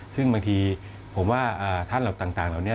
ซึ่งบางทีผมว่าท่านเหล่าต่างเหล่านี้